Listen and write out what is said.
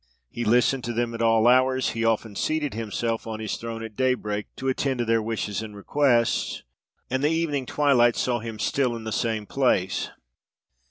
He listened to them at all hours; he often seated himself on his throne at day break to attend to their wishes and requests, and the evening twilight saw him still in the same place.